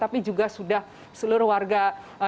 tapi juga sudah seluruh warga